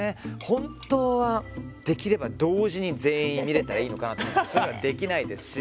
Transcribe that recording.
本当はできれば同時に全員、見れたらいいのかなと思いますがそれができないですし。